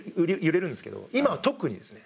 今は特にですね。